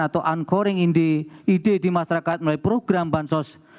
atau uncoring inde ide di masyarakat melalui program bansos